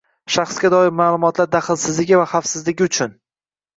Shaxsga doir ma’lumotlar daxlsizligi va xavfsizligi uchun